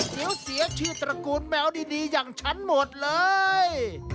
เดี๋ยวเสียชีวิตตระกูลแมวดีอย่างฉันหมดเลย